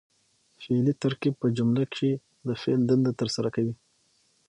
فعلي ترکیب په جمله کښي د فعل دنده ترسره کوي.